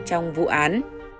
trong vụ án